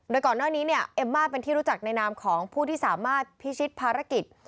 โดยก่อนหน้านี้เนี่ยเอมม่าเป็นที่รู้จักในนามของผู้ที่สามารถพิชิตภารกิจ